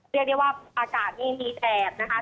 เรียกได้ว่าอากาศนี่มีแดดนะคะ